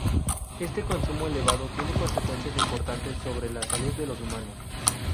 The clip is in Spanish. Este consumo elevado tiene consecuencias importantes sobre la salud de los humanos.